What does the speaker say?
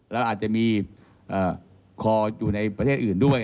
แล้วอาจจะมีคออยู่ในประเทศอื่นด้วย